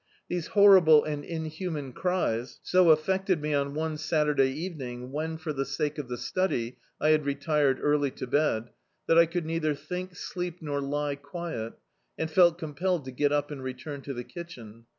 These horrible and inhuman cries so af fected me on one Saturday evening, when, for the sake of the study, I had retired early to bed, that I could neither think, sleep nor lie quiet, and felt com pelled to get up and return to the kitchen.